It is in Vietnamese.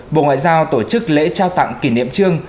bộ ngoại giao tổ chức lễ trao tặng kỷ niệm trương